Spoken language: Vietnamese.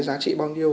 giá trị bao nhiêu